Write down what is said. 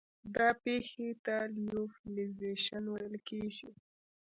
دا پېښې ته لیوفیلیزیشن ویل کیږي.